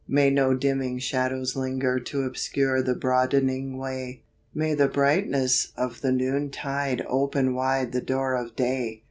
May no dimming shadows linger To obscure the broadening way, May the brightness of the noontide Open wide the door of day.